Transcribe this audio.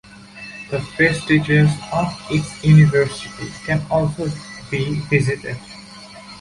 The vestiges of its university can also be visited.